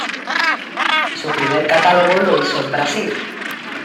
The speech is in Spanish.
Su primer catálogo lo hizo en Brasil.